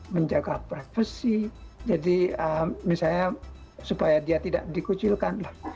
menjaga privasi jadi misalnya supaya dia tidak dikucilkan